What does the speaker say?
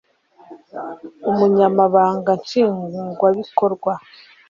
umunyamabanga nshingwabikorwa